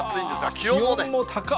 気温も高っ！